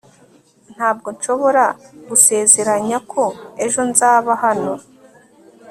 Ntabwo nshobora gusezeranya ko ejo nzaba hano